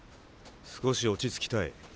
少し落ち着きたい。